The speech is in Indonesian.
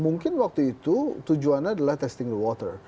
mungkin waktu itu tujuannya adalah testing the water